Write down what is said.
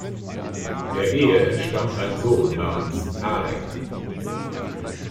Der Ehe entstammt ein Sohn namens Tarek.